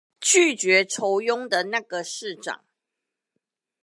拒絕酬庸的那個市長